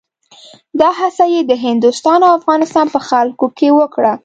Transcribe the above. دا هڅه یې د هندوستان او افغانستان په خلکو کې وکړه.